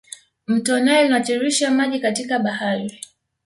Mto nile unatiririsha maji katika bahari